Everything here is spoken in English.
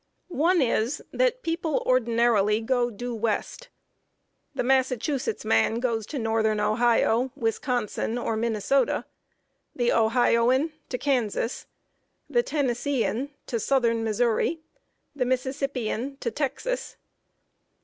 One is, that people ordinarily go due west. The Massachusetts man goes to northern Ohio, Wisconsin, or Minnesota; the Ohioan to Kansas; the Tennesseean to southern Missouri; the Mississippian to Texas.